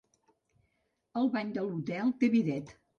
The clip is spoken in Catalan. El bany de l"hotel té bidet.